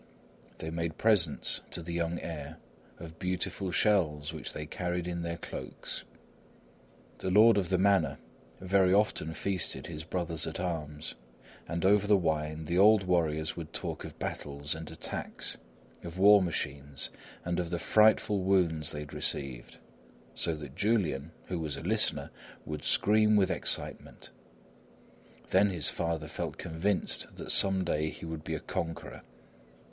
They made presents to the young heir of beautiful shells, which they carried in their cloaks. The lord of the manor very often feasted his brothers at arms, and over the wine the old warriors would talk of battles and attacks, of war machines and of the frightful wounds they had received, so that Julian, who was a listener, would scream with excitement; then his father felt convinced that some day he would be a conqueror.